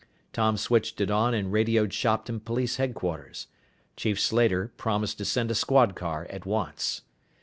Tom switched it on and radioed Shopton Police Headquarters. Chief Slater promised to send a squad car at once.